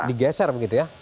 digeser begitu ya